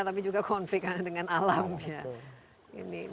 tapi juga konflik dengan alamnya